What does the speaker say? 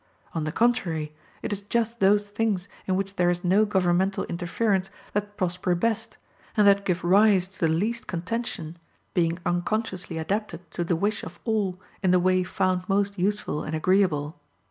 On the contrary, it is just those things in which there is no governmental interference that prosper best, and that give rise to the least contention, being unconsciously adapted to the wish of all in the way found most useful and agreeable.